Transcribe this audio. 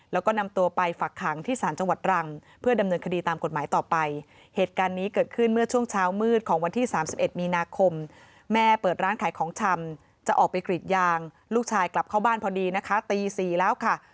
แล้วก็นำตัวไปฝักขังที่ศาลจังหวัดรังเพื่อดำเนินคดีตามกฎหมายต่อไปเหตุการณ์นี้เกิดขึ้นเมื่อช่วงเช้ามืดของวันที่๓๑มีนาคมแม่เปิดร้านขายของชำจะออกไปกรีดยางลูกชายกลับเข้าบ้านพอดีนะคะตี๔แล้วค่ะ